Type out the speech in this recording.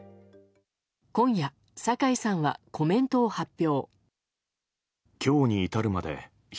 今夜、酒井さんはコメントを発表。